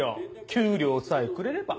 給料さえくれれば。